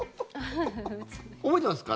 覚えてますか？